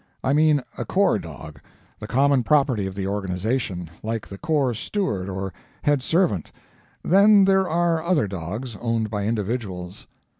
I mean a corps dog the common property of the organization, like the corps steward or head servant; then there are other dogs, owned by individuals.